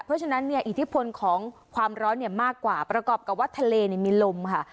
เพราะฉะนั้นเนี่ยอิทธิพลของความร้อนมากกว่าประกอบกับว่าทะเลมีลมค่ะ